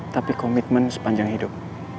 tapi komitmen sepanjang hidup